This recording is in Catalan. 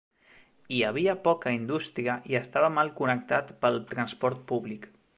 Hi havia poca indústria i estava mal connectat pel transport públic.